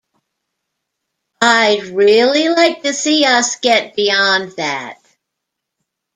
I'd really like to see us get beyond that.